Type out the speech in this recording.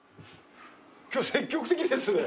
今日積極的ですね。